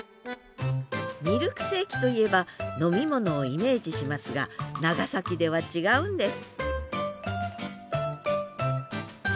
ミルクセーキといえば飲み物をイメージしますが長崎では違うんです